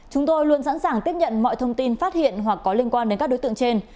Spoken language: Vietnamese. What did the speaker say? chúng tôi luôn sẵn sàng tiếp nhận mọi thông tin phát hiện hoặc có liên quan đến các đối tượng trên